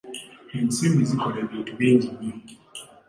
Ensimbi zikola ebinti bingi nnyo